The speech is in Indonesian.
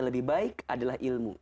lebih baik adalah ilmu